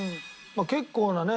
結構なね